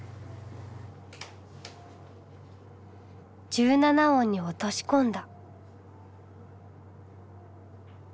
１７音に落とし込んだ。